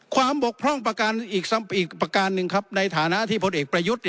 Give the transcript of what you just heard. บกพร่องอีกประการหนึ่งครับในฐานะที่พลเอกประยุทธ์